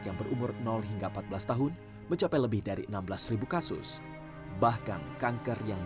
yang berumur hingga empat belas tahun mencapai lebih dari enam belas kasus bahkan kanker yang